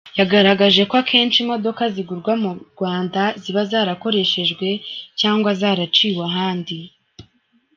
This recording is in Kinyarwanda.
Yagaragaje ko akenshi imodoka zigurwa mu Rwanda ziba zarakoreshejwe cyangwa zaraciwe ahandi.